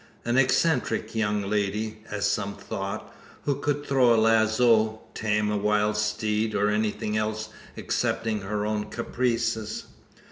An eccentric young lady, as some thought, who could throw a lazo, tame a wild steed, or anything else excepting her own caprices.